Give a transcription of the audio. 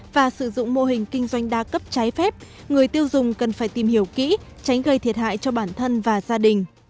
và sử dụng mô hình kinh doanh đa cấp trái phép người tiêu dùng cần phải tìm hiểu kỹ tránh gây thiệt hại cho bản thân và gia đình